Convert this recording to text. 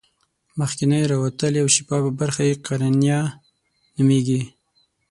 مخکینۍ راوتلې او شفافه برخه یې قرنیه نومیږي.